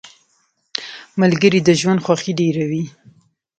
ملګری د ژوند خوښي ډېروي.